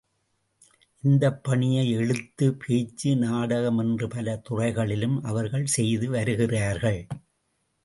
இந்தப் பணியை எழுத்து, பேச்சு, நாடகம் என்ற பல துறைகளிலும் அவர்கள் செய்து வருகிறார்கள்.